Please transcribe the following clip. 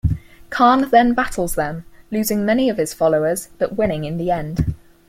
Khan then battles them, losing many of his followers, but winning in the end.